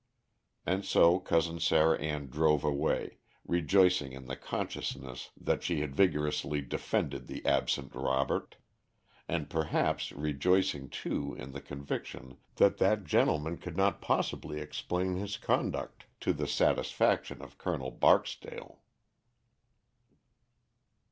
And so Cousin Sarah Ann drove away, rejoicing in the consciousness that she had vigorously defended the absent Robert; and perhaps rejoicing too in the conviction that that gentleman could not possibly explain his conduct to the satisfaction of Colonel Barksdale.